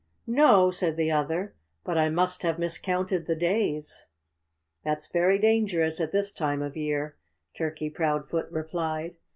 "No!" said the other. "But I must have miscounted the days." "That's very dangerous at this time of year," Turkey Proudfoot replied.